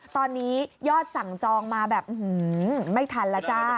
ตอนนี้ยอดสั่งจองมาแบบไม่ทันแล้วจ้า